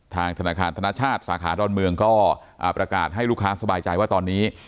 ธนาคารธนชาติสาขาดอนเมืองก็ประกาศให้ลูกค้าสบายใจว่าตอนนี้